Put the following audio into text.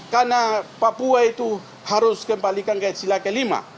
karena papua itu harus kembalikan ke sila kelima